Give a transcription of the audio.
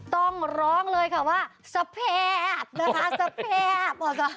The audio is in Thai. ต้องร้องเลยว่าสภาพ